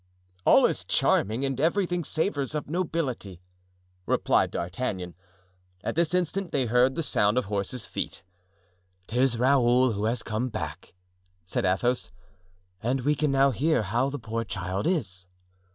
"All is charming and everything savors of nobility," replied D'Artagnan. At this instant they heard the sound of horses' feet. "'Tis Raoul who has come back," said Athos; "and we can now hear how the poor child is."